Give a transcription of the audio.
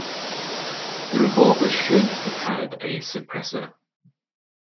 The revolver should have had a suppressor.